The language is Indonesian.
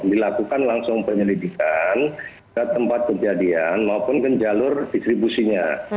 dilakukan langsung penyelidikan ke tempat kejadian maupun ke jalur distribusinya